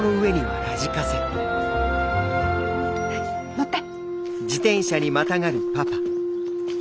乗って！